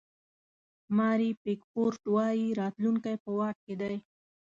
ماري پیکفورډ وایي راتلونکی په واک کې دی.